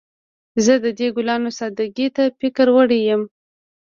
زه د دې ګلانو سادګۍ ته فکر وړی یم